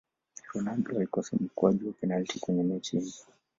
ronaldo alikosa mkwaju wa penati kwenye mechi hiyo